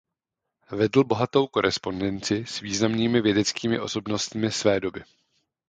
Vedl bohatou korespondenci s významnými vědeckými osobnostmi své doby.